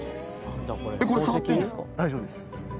大丈夫です。